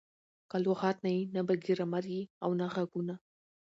که لغت نه يي؛ نه به ګرامر يي او نه ږغونه.